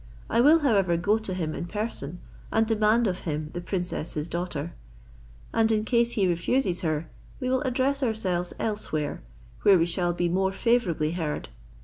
I will however go to him in person, and demand of him the princess his daughter; and, in case he refuses her, we will address ourselves elsewhere, where we shall be more favourably heard.